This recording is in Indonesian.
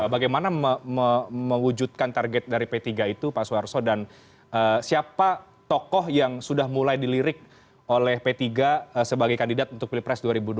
bagaimana mewujudkan target dari p tiga itu pak suharto dan siapa tokoh yang sudah mulai dilirik oleh p tiga sebagai kandidat untuk pilpres dua ribu dua puluh